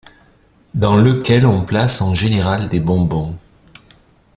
Dans lequel on place en général des bonbons.